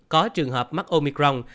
có trường hợp mắc omicron